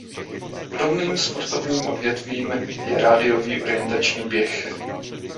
Podobným sportovním odvětvím je Rádiový orientační běh.